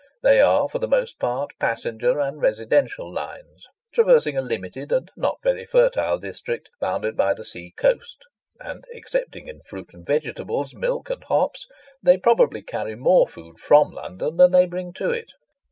They are, for the most part passenger and residential lines, traversing a limited and not very fertile district bounded by the sea coast; and, excepting in fruit and vegetables, milk and hops, they probably carry more food from London than they bring to it.